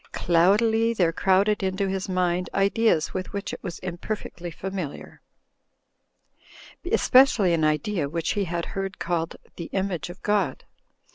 Qoudily there crowded into his mind ideas with which it was imper fectly familiar, especially an idea which he had heard called "The Image of God."